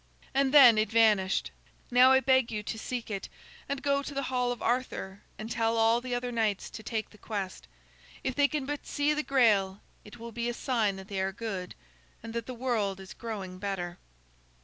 And then it vanished. Now I beg you to seek it; and go to the hall of Arthur and tell all the other knights to take the quest. If they can but see the Grail, it will be a sign that they are good, and that the world is growing better."